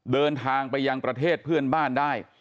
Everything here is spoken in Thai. เดินทางไปยังประเทศเพื่อนบ้านได้